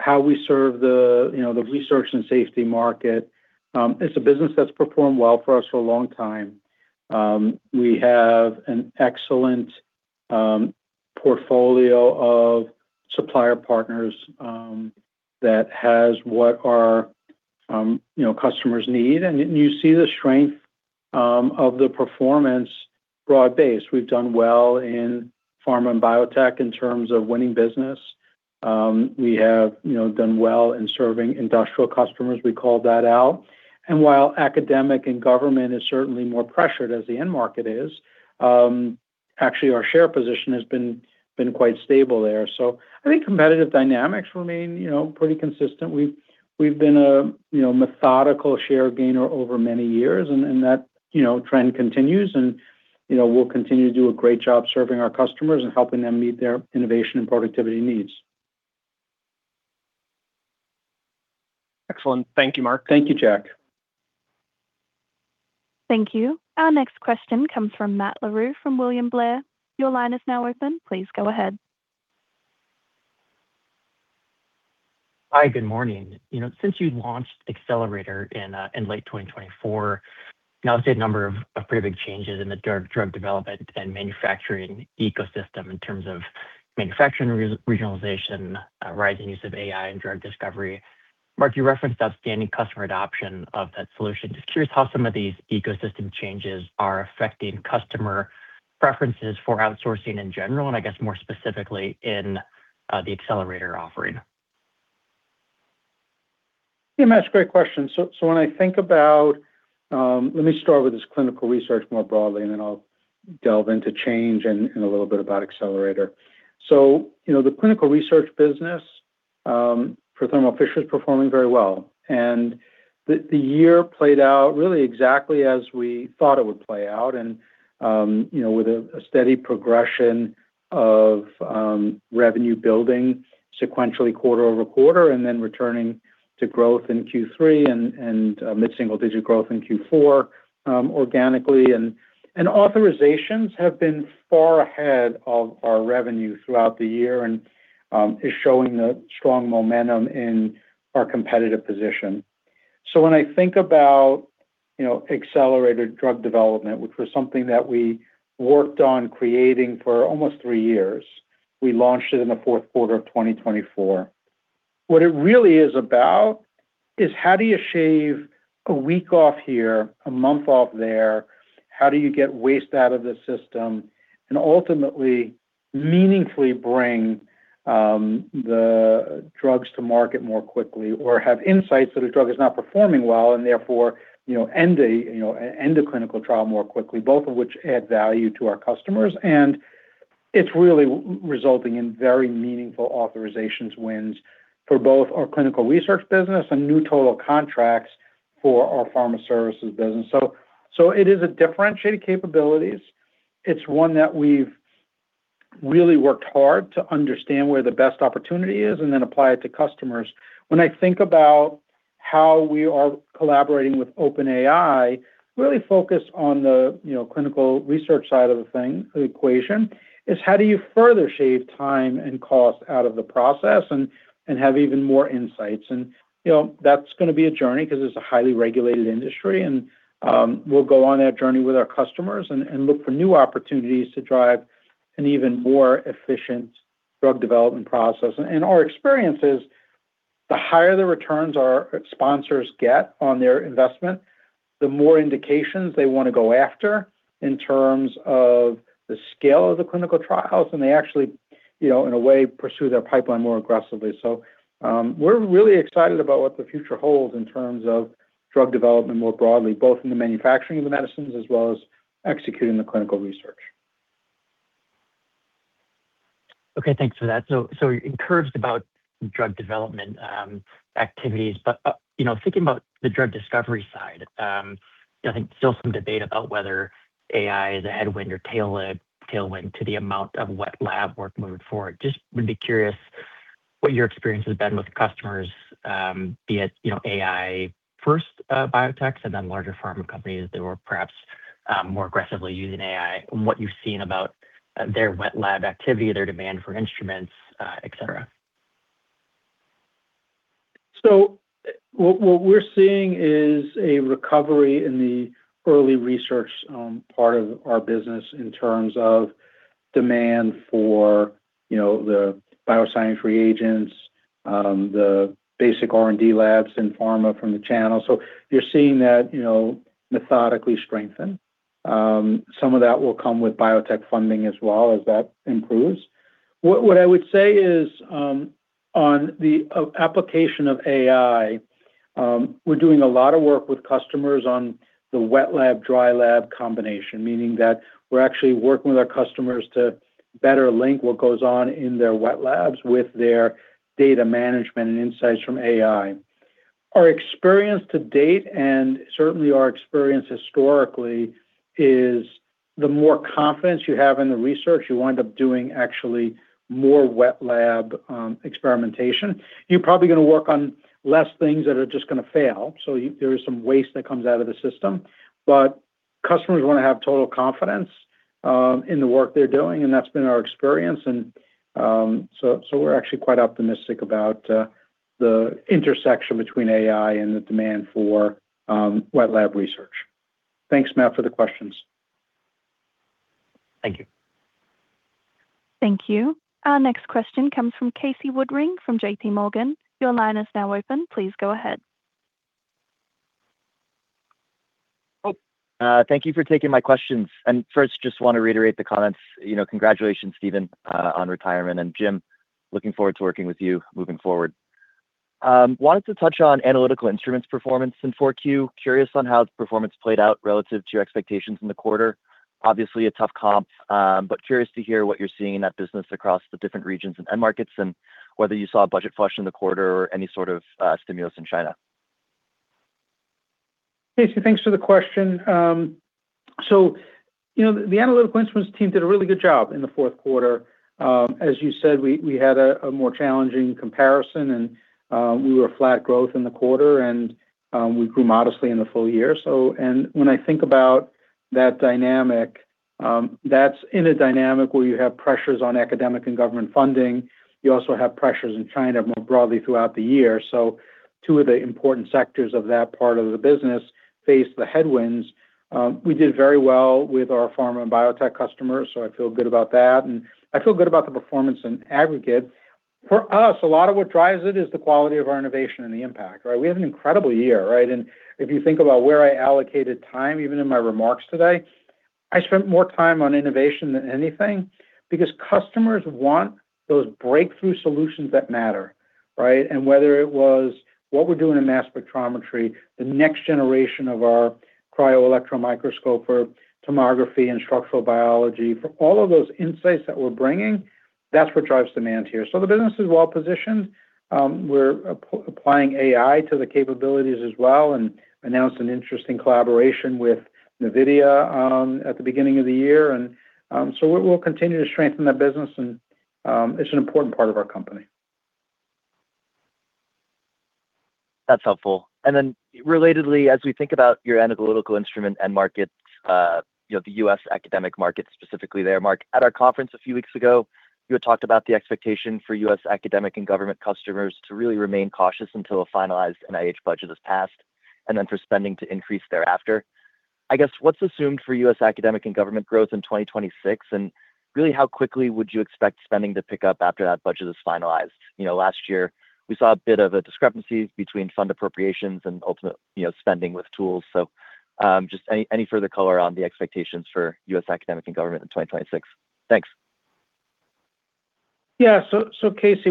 how we serve the, you know, the research and safety market, it's a business that's performed well for us for a long time. We have an excellent portfolio of supplier partners that has what our, you know, customers need, and you see the strength of the performance broad-based. We've done well in pharma and biotech in terms of winning business. We have, you know, done well in serving industrial customers. We called that out, and while academic and government is certainly more pressured as the end market is, actually our share position has been quite stable there. So I think competitive dynamics remain, you know, pretty consistent. We've been a, you know, methodical share gainer over many years and that, you know, trend continues. And, you know, we'll continue to do a great job serving our customers and helping them meet their innovation and productivity needs. Excellent. Thank you, Marc. Thank you, Jack. Thank you. Our next question comes from Matt Larew from William Blair. Your line is now open. Please go ahead. Hi, good morning. You know, since you launched Accelerator in late 2024, now we've seen a number of pretty big changes in the drug development and manufacturing ecosystem in terms of manufacturing regionalization, rising use of AI in drug discovery. Marc, you referenced outstanding customer adoption of that solution. Just curious how some of these ecosystem changes are affecting customer preferences for outsourcing in general, and I guess more specifically in the Accelerator offering. Yeah, Matt, great question. So, when I think about. Let me start with this Clinical Research more broadly, and then I'll delve into change and a little bit about Accelerator. So, you know, the Clinical Research business for Thermo Fisher is performing very well, and the year played out really exactly as we thought it would play out. And, you know, with a steady progression of revenue building sequentially quarter over quarter, and then returning to growth in Q3 and mid-single-digit growth in Q4, organically. And authorizations have been far ahead of our revenue throughout the year and is showing a strong momentum in our competitive position. So when I think about, you know, accelerated drug development, which was something that we worked on creating for almost three years, we launched it in the fourth quarter of 2024. What it really is about is how do you shave a week off here, a month off there? How do you get waste out of the system and ultimately meaningfully bring the drugs to market more quickly, or have insights that a drug is not performing well and therefore, you know, end a, you know, end a clinical trial more quickly, both of which add value to our customers? And it's really resulting in very meaningful authorizations wins for both our Clinical Research business and new total contracts for our pharma services business. So, so it is a differentiated capabilities. It's one that we've really worked hard to understand where the best opportunity is and then apply it to customers. When I think about how we are collaborating with OpenAI, really focused on the, you know, Clinical Research side of the thing, the equation, is how do you further shave time and cost out of the process and, and have even more insights? And, you know, that's gonna be a journey because it's a highly regulated industry and, we'll go on that journey with our customers and, and look for new opportunities to drive an even more efficient drug development process. And our experience is. The higher the returns our sponsors get on their investment, the more indications they want to go after in terms of the scale of the clinical trials, and they actually, you know, in a way, pursue their pipeline more aggressively. So, we're really excited about what the future holds in terms of drug development, more broadly, both in the manufacturing of the medicines as well as executing the Clinical Research. Okay, thanks for that. So you're encouraged about drug development activities. But you know, thinking about the drug discovery side, I think still some debate about whether AI is a headwind or tail, a tailwind to the amount of wet lab work moving forward. Just would be curious what your experience has been with customers, be it, you know, AI first biotechs and then larger pharma companies that were perhaps more aggressively using AI, and what you've seen about their wet lab activity, their demand for instruments, etcetera. So what we're seeing is a recovery in the early research part of our business in terms of demand for, you know, the bioscience reagents, the basic R&D labs in pharma from the channel. So you're seeing that, you know, methodically strengthen. Some of that will come with biotech funding as well as that improves. What I would say is, on the application of AI, we're doing a lot of work with customers on the wet lab, dry lab combination, meaning that we're actually working with our customers to better link what goes on in their wet labs with their data management and insights from AI. Our experience to date, and certainly our experience historically, is the more confidence you have in the research, you wind up doing actually more wet lab experimentation. You're probably going to work on less things that are just going to fail, so there is some waste that comes out of the system. But customers want to have total confidence in the work they're doing, and that's been our experience. So, we're actually quite optimistic about the intersection between AI and the demand for wet lab research. Thanks, Matt, for the questions. Thank you. Thank you. Our next question comes from Casey Woodring from JPMorgan. Your line is now open. Please go ahead. Oh, thank you for taking my questions. First, just want to reiterate the comments. You know, congratulations, Stephen, on retirement, and Jim, looking forward to working with you moving forward. Wanted to touch on analytical instruments performance in Q4. Curious on how the performance played out relative to your expectations in the quarter. Obviously, a tough comp, but curious to hear what you're seeing in that business across the different regions and end markets, and whether you saw a budget flush in the quarter or any sort of stimulus in China? Casey, thanks for the question. So, you know, the analytical instruments team did a really good job in the fourth quarter. As you said, we had a more challenging comparison, and we were flat growth in the quarter, and we grew modestly in the full year. So and when I think about that dynamic, that's in a dynamic where you have pressures on academic and government funding. You also have pressures in China more broadly throughout the year. So two of the important sectors of that part of the business faced the headwinds. We did very well with our pharma and biotech customers, so I feel good about that, and I feel good about the performance in aggregate. For us, a lot of what drives it is the quality of our innovation and the impact, right? We had an incredible year, right? And if you think about where I allocated time, even in my remarks today, I spent more time on innovation than anything because customers want those breakthrough solutions that matter, right? And whether it was what we're doing in mass spectrometry, the next generation of our cryo-electron microscope, or tomography and structural biology, for all of those insights that we're bringing, that's what drives demand here. So the business is well positioned. We're applying AI to the capabilities as well and announced an interesting collaboration with NVIDIA at the beginning of the year. And, so we'll continue to strengthen that business and, it's an important part of our company. That's helpful. And then relatedly, as we think about your analytical instrument end markets, you know, the U.S. academic market, specifically there, Marc, at our conference a few weeks ago, you had talked about the expectation for U.S. academic and government customers to really remain cautious until a finalized NIH budget is passed and then for spending to increase thereafter. I guess, what's assumed for U.S. academic and government growth in 2026? And really, how quickly would you expect spending to pick up after that budget is finalized? You know, last year, we saw a bit of a discrepancy between fund appropriations and ultimate, you know, spending with tools. So, just any further color on the expectations for U.S. academic and government in 2026? Thanks. So, Casey,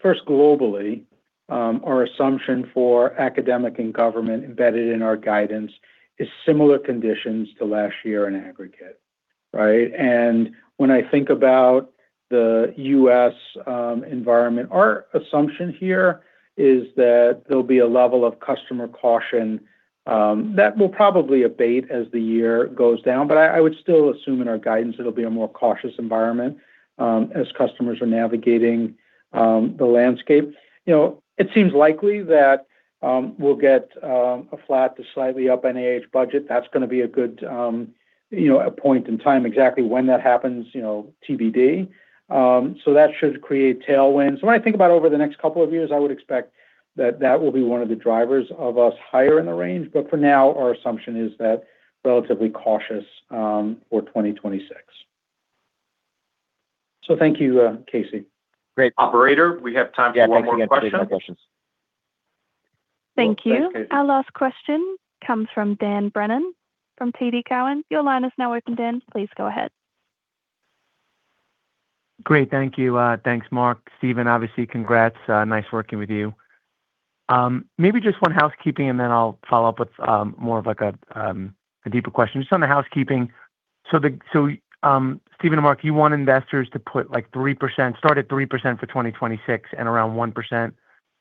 First, globally, our assumption for academic and government embedded in our guidance is similar conditions to last year in aggregate, right? And when I think about the U.S. environment, our assumption here is that there'll be a level of customer caution that will probably abate as the year goes down. But I would still assume in our guidance, it'll be a more cautious environment as customers are navigating the landscape. You know, it seems likely that we'll get a flat to slightly up NIH budget. That's going to be a good, you know, a point in time. Exactly when that happens, you know, TBD. So that should create tailwinds. When I think about over the next couple of years, I would expect that that will be one of the drivers of us higher in the range. But for now, our assumption is that relatively cautious for 2026. So thank you, Casey. Great. Operator, we have time for one more question. Yeah, thanks again for the questions. Thank you. Our last question comes from Dan Brennan from TD Cowen. Your line is now open, Dan. Please go ahead. Great. Thank you. Thanks, Marc. Stephen, obviously, congrats. Nice working with you. Maybe just one housekeeping, and then I'll follow up with more of, like, a deeper question. Just on the housekeeping, so Stephen and Marc, you want investors to put, like, 3%, start at 3% for 2026 and around 1%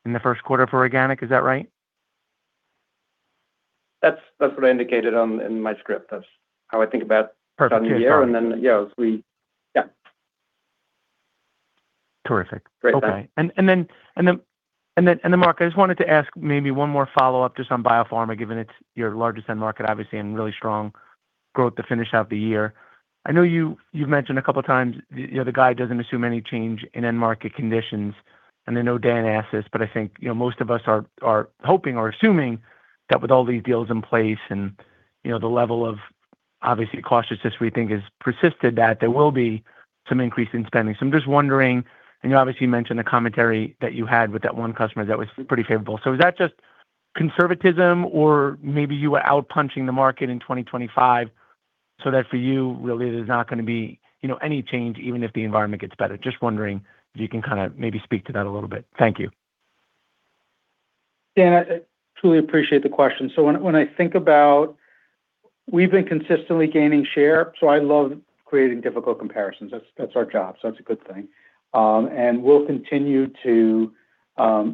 in the first quarter for organic. Is that right? That's what I indicated on, in my script. That's how I think about. Perfect. The year, and then, yeah. Terrific. Great. Okay. And then, Marc, I just wanted to ask maybe one more follow-up just on biopharma, given it's your largest end market, obviously, and really strong growth to finish out the year. I know you, you've mentioned a couple of times, you know, the guidance doesn't assume any change in end market conditions, and I know Dan asked this, but I think, you know, most of us are hoping or assuming that with all these deals in place and, you know, the level of obviously cautious we think has persisted, that there will be some increase in spending. So I'm just wondering, and you obviously mentioned the commentary that you had with that one customer that was pretty favorable. So is that just conservatism, or maybe you were out punching the market in 2025, so that for you, really, there's not gonna be, you know, any change, even if the environment gets better? Just wondering if you can kind of maybe speak to that a little bit. Thank you. Dan, I truly appreciate the question. So when I think about, we've been consistently gaining share, so I love creating difficult comparisons. That's, that's our job, so that's a good thing. And we'll continue to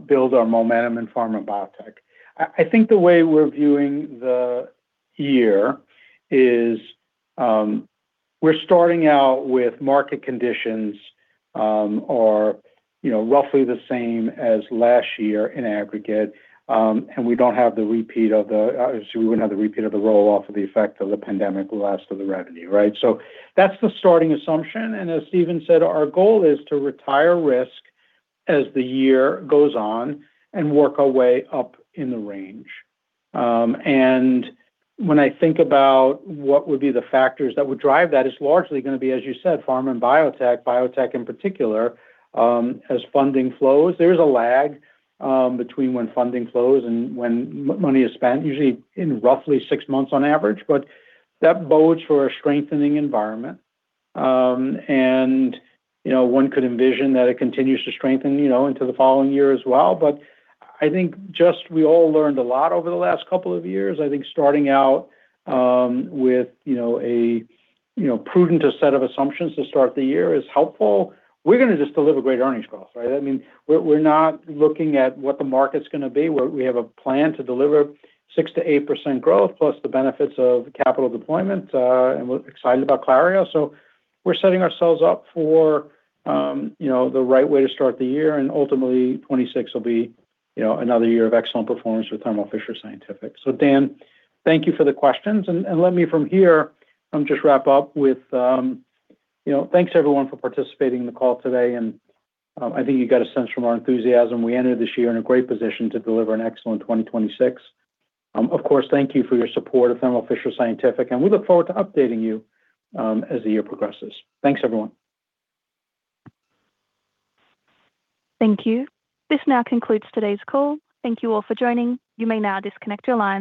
build our momentum in pharma biotech. I think the way we're viewing the year is, we're starting out with market conditions, you know, roughly the same as last year in aggregate. And we don't have the repeat of the, so we wouldn't have the repeat of the roll-off of the effect of the pandemic last of the revenue, right? So that's the starting assumption, and as Stephen said, our goal is to retire risk as the year goes on and work our way up in the range. And when I think about what would be the factors that would drive that, it's largely gonna be, as you said, pharma and biotech. Biotech, in particular, as funding flows. There's a lag between when funding flows and when money is spent, usually in roughly six months on average, but that bodes for a strengthening environment. And, you know, one could envision that it continues to strengthen, you know, into the following year as well. But I think just we all learned a lot over the last couple of years. I think starting out with, you know, a prudent set of assumptions to start the year is helpful. We're gonna just deliver great earnings growth, right? I mean, we're, we're not looking at what the market's gonna be. We have a plan to deliver 6%-8% growth, plus the benefits of capital deployment, and we're excited about Clario. So we're setting ourselves up for, you know, the right way to start the year, and ultimately, 2026 will be, you know, another year of excellent performance with Thermo Fisher Scientific. So Dan, thank you for the questions. Let me from here just wrap up with, you know, thanks, everyone, for participating in the call today, and I think you got a sense from our enthusiasm. We entered this year in a great position to deliver an excellent 2026. Of course, thank you for your support of Thermo Fisher Scientific, and we look forward to updating you as the year progresses. Thanks, everyone. Thank you. This now concludes today's call. Thank you all for joining. You may now disconnect your line.